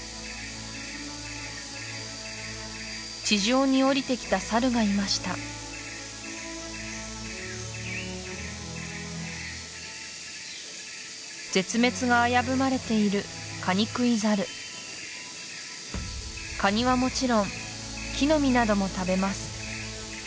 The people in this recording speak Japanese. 地上におりてきたサルがいました絶滅が危ぶまれているカニはもちろん木の実なども食べます